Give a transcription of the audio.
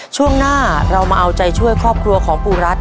ช่วงหน้าเรามาเอาใจช่วยครอบครัวของปูรัฐ